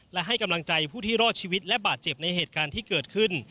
และให้กำลังใจผู้ที่รอดชีวิตและบาดเจ็บในเหตุการณ์ที่เกิดขึ้น